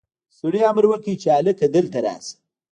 سړي امر وکړ چې هلک دلته راشه.